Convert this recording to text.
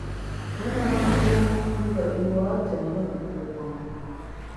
Me na njun ngùet yua te mùt kuwuom.